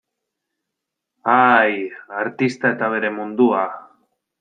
Ai, artista eta bere mundua.